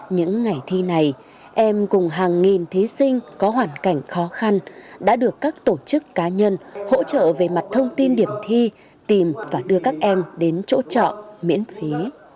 những ngày thi này em cùng hàng nghìn thí sinh có hoàn cảnh khó khăn đã được các tổ chức cá nhân hỗ trợ về mặt thông tin điểm thi tìm và đưa các em đến chỗ trọ miễn phí